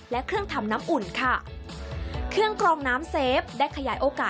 และเครื่องทำน้ำอุ่นค่ะ